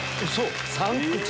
３口？